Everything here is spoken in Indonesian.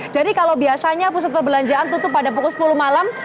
jadi kalau biasanya pusat perbelanjaan tutup pada pukul sepuluh malam